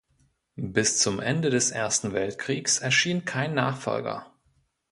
Bis zum Ende des Ersten Weltkriegs erschien kein Nachfolger.